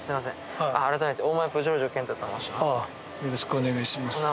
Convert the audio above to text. よろしくお願いします